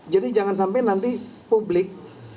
jadi jangan sampai nanti publik